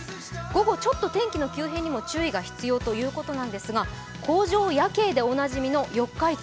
午後ちょっと天気の急変にも注意が必要ということなんですが工場夜景でおなじみの四日市。